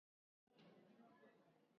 There have otherwise been few alterations.